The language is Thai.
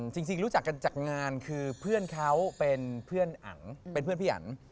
จริงรู้จักกันจากงานคือเพื่อนเขาเป็นเพื่อนพี่อัน